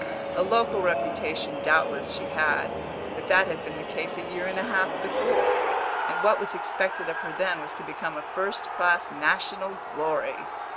A local reputation doubtless she had, but that had been the case a year and a half before, and what was expected of her then was to become a first class national glory.